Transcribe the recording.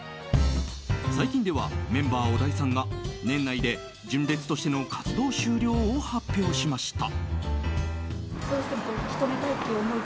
最近ではメンバー小田井さんが年内で純烈としての活動終了を発表しました。